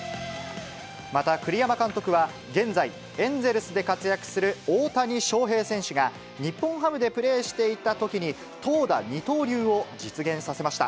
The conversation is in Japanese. また、栗山監督は現在、エンゼルスで活躍する大谷翔平選手が、日本ハムでプレーしていたときに、投打二刀流を実現させました。